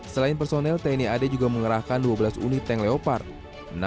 selain personel tni ad juga mengerahkan dua belas unit tank leopard